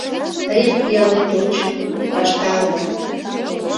Тыйын пиалет ончылно, Ваштарова...